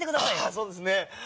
そうですね。